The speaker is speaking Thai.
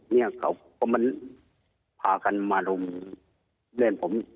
เพราะมันพากันมาลุมเล่นผม